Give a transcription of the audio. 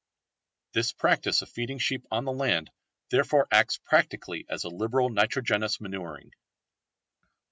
This practice of feeding sheep on the land therefore acts practically as a liberal nitrogenous manuring.